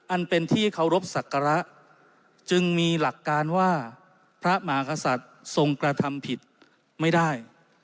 อันเป็นที่เคารพสักการะจึงมีหลักการว่าพระมหากษัตริย์ทรงกระทำผิดไม่ได้